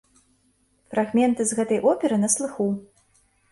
Фрагменты з гэтай оперы на слыху.